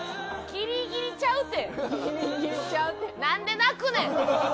ギリギリちゃうって。